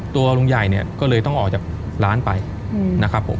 ตัวลุงใหญ่เนี่ยก็เลยต้องออกจากร้านไปนะครับผม